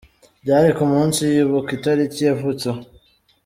Byari ku munsi yibuka itariki yavutseho.